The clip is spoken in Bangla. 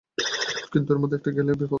কিন্তু এর মধ্যে একটি গেলেই বিপদ।